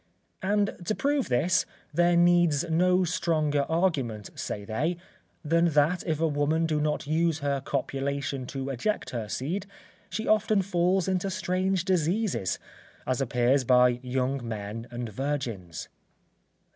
And to prove this, there needs no stronger argument, say they, than that if a woman do not use copulation to eject her seed, she often falls into strange diseases, as appears by young men and virgins.